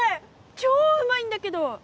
超うまいんだけど！